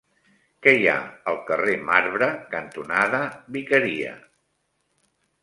Què hi ha al carrer Marbre cantonada Vicaria?